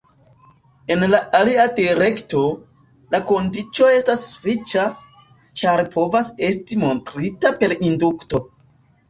En la alia direkto, la kondiĉo estas sufiĉa, ĉar povas esti montrita per indukto.